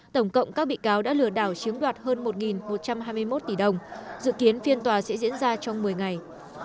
tổng cộng các bị cáo đã lừa đảo chiếm đoạt hơn một một trăm hai mươi một tỷ đồng dự kiến phiên tòa sẽ diễn ra trong một mươi ngày